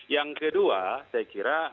yang kedua saya kira